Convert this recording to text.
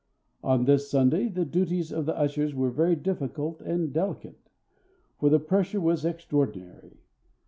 On this Sunday the duties of the ushers were very difficult and delicate, for the pressure was extraordinary.